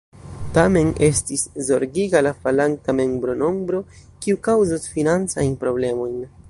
Tamen estis zorgiga la falanta membronombro, kiu kaŭzos financajn problemojn.